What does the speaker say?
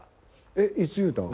えっいつ言うた？